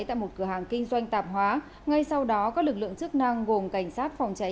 tại một cửa hàng kinh doanh tạp hóa ngay sau đó các lực lượng chức năng gồm cảnh sát phòng cháy